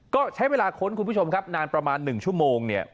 ก็ใช้เวลาค้นคุณผู้ชมครับนานประมาณ๑ชั่วโมงเนี่ย